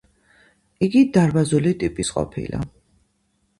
იგი დარბაზული ტიპის ყოფილა.